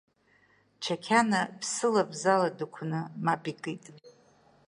Чакьана ԥсыла-бзала дықәны мап икит.